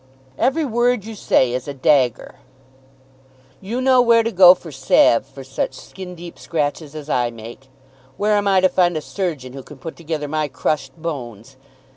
"Every word you say is a dagger." "You know where to go for salve for such skin deep scratches as I make. Where am I to find a surgeon who can put together my crushed bones?